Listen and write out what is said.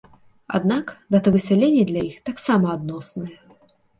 Аднак дата высялення для іх таксама адносная.